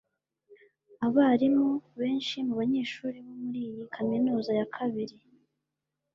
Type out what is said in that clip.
abarimu & benshi mubanyeshuri bo muri iyi kaminuza ya kabiri